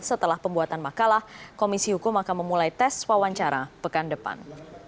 setelah pembuatan makalah komisi hukum akan memulai tes wawancara pekan depan